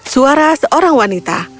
suara seorang wanita